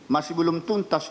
masih belum tuntas